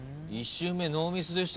１周目ノーミスでしたね。